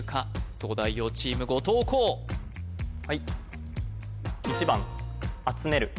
東大王チーム後藤弘はい